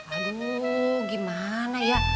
aduh gimana ya